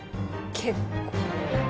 結構。